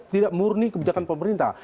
tidak murni kebijakan pemerintah